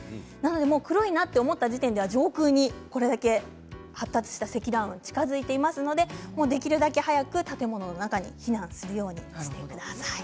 黒いなと思った時には上空にこれだけ発達した積乱雲が近づいていますのでできるだけ早く建物の中に避難するようにしてください。